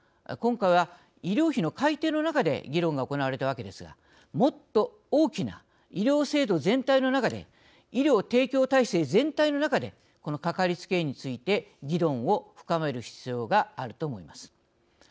今回は医療費の改定の中で議論が行われたわけですがもっと大きな医療制度全体の中で医療提供体制全体の中でこのかかりつけ医について議論を深める必要があると思います。